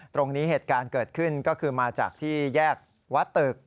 เหตุการณ์เกิดขึ้นก็คือมาจากที่แยกวัดตึก